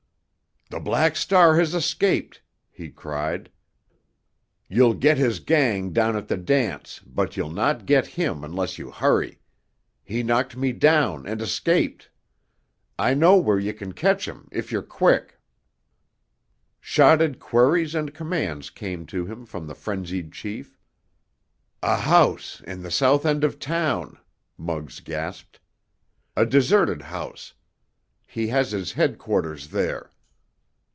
"The Black Star has escaped!" he cried. "You'll get his gang down at the dance, but you'll not get him unless you hurry. He knocked me down and escaped. I know where you can catch him—if you're quick!" Shotted queries and commands came to him from the frenzied chief. "A house—in the south end of town!" Muggs gasped. "A deserted house—he has his headquarters there!